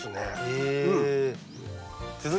へえ。